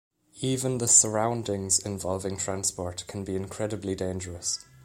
Even the surroundings involving transport can be incredibly dangerous.